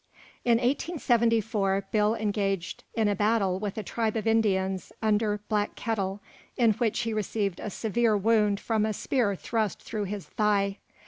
In 1874 Bill engaged in a battle with a tribe of Indians under Black Kettle, in which he received a severe wound from a spear thrust through his thigh.